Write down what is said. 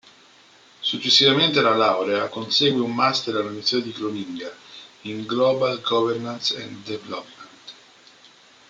Successivamente alla laurea consegue un master all'Università di Groninga in Global Governance and Development.